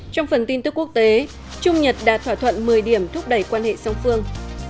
trong phần tin tức quốc tế trung nhật đã thỏa thuận một mươi điểm thúc đẩy quan hệ song phương